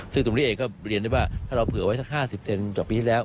ซึ่งตรงนี้เองก็เรียนได้ว่าถ้าเราเผื่อไว้สัก๕๐เซนต่อปีที่แล้ว